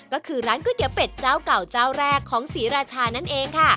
ก็คือร้านก๋วยเตี๋ยวเป็ดเจ้าเก่าเจ้าแรกของศรีราชานั่นเองค่ะ